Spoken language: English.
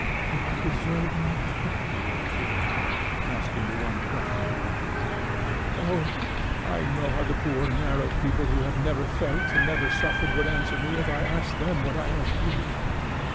"Do I deserve my happiness?" she murmured, asking the one question at last. "Oh, I know how the poor narrow people who have never felt and never suffered would answer me if I asked them what I ask you.